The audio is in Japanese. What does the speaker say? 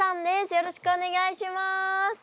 よろしくお願いします。